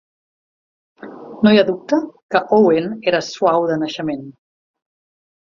No hi ha dubte que Owen era suau de naixement.